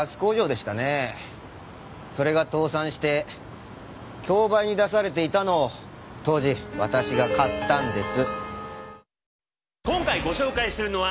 それが倒産して競売に出されていたのを当時私が買ったんです。